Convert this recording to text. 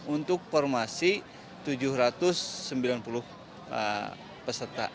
untuk formasi tujuh ratus sembilan puluh peserta